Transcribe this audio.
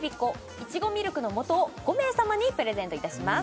いちごミルクのもとを５名様にプレゼントいたします